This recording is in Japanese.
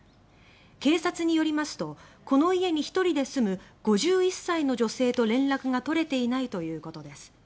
警察によりますとこの家に１人で住む５１歳の女性と連絡が取れていないということです。